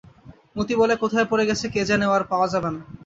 মতি বলে, কোথায় পড়ে গেছে কে জানে ও আর পাওয়া যাবে না।